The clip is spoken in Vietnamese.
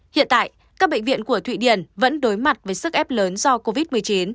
hiện tại các bệnh viện của thụy điển vẫn đối mặt với sức ép lớn do covid một mươi chín